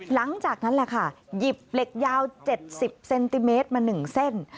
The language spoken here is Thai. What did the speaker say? หลังจากนั้นแหละค่ะหยิบเหล็กยาว๗๐เซนติเมตรมา๑เส้น